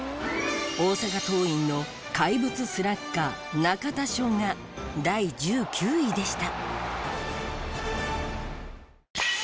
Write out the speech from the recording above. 大阪桐蔭の怪物スラッガー中田翔が第１９位でした。